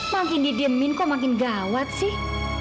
makin didiemin kok makin gawat sih